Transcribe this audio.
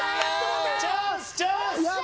チャンスチャンス！